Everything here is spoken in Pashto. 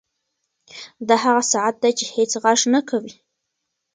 دا هغه ساعت دی چې هېڅ غږ نه کوي.